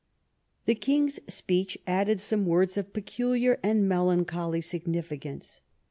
The King's speech added some words of peculiar and melancholy significance.